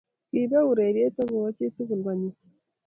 kibe urerie ak kowok chii tugul konyii